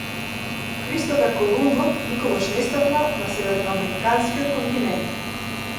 Кристофер Колумбо никогаш не стапнал на северноамериканскиот континент.